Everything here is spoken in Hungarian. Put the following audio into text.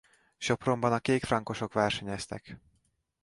Sopronban a kékfrankosok versenyeztek.